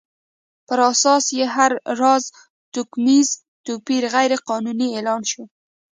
پر اساس یې هر راز توکمیز توپیر غیر قانوني اعلان شو.